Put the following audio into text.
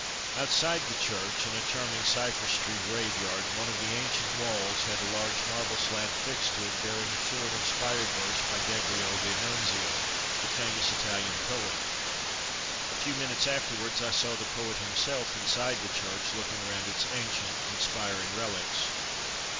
Outside the church, in a charming cypress tree graveyard, one of the ancient walls had a large marble slab fixed to it, bearing a short, inspired verse by Gabriel d'Annunzio, the famous Italian poet. A few minutes afterwards I saw the poet himself inside the church, looking round its ancient, inspiring relics.